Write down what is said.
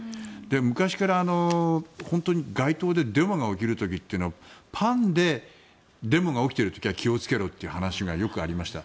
昔から街頭でデモが起きる時はパンでデモが起きている時は気をつけろって話がよくありました。